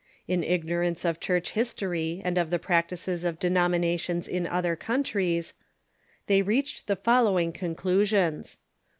In ignorance of Church history and of the prac tices of denominations in other countries, the}^ reached the following conclusions : 1.